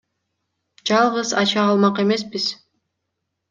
Жалгыз ача алмак эмеспиз.